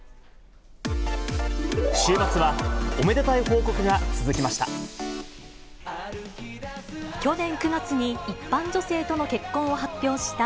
週末はおめでたい報告が続きました。